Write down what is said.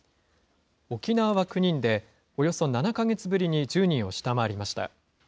沖縄は９人で、およそ７か月ぶりに１０人を下回りました。